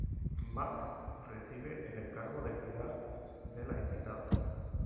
Mac recibe el encargo de cuidar de la invitada.